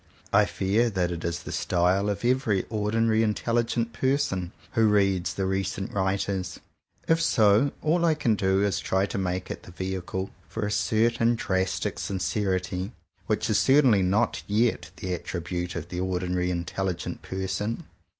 I fear that it is the style of every ordinarily intelligent person who "reads the recent writers." If so, all I can do is to try and make it the vehicle for a certain drastic sincerity which is certainly not yet the attribute of the ordinarily intelligent person.